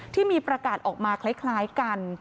ที่มีประกาศออกมาคล้ายกัน